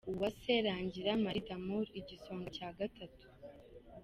Uwase Rangira Marie D’Amour : Igisonga cya Gatatu